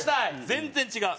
全然違う。